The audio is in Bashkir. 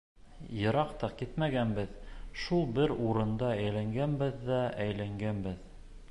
Йыраҡ та китмәгәнбеҙ, шул бер урында әйләнгәнбеҙ ҙә әйләнгәнбеҙ.